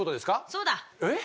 そうだ！えっ！？